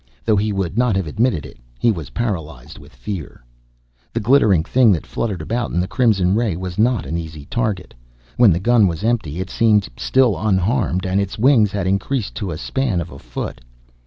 Though he would not have admitted it, he was paralyzed with fear. The glittering thing that fluttered about in the crimson ray was not an easy target. When the gun was empty, it seemed still unharmed. And its wings had increased to a span of a foot.